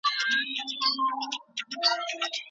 ولي زیارکښ کس د ذهین سړي په پرتله لاره اسانه کوي؟